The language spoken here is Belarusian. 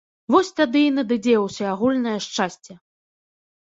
Вось тады і надыдзе ўсеагульнае шчасце.